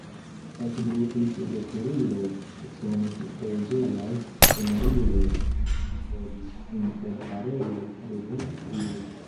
Ekbruis veturiloj, eksonis preĝejaj sonoriloj, ekbolis interparoloj, ridoj, krioj.